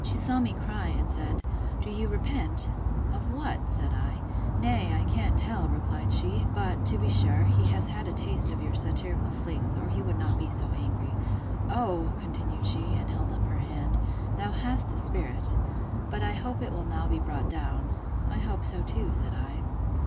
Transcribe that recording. She saw me cry, and said, Do you repent?—Of what? said I.—Nay, I can't tell, replied she; but, to be sure, he has had a taste of your satirical flings, or he would not be so angry. O! continued she, and held up her hand, thou hast a spirit!—But I hope it will now be brought down.—I hope so too, said I.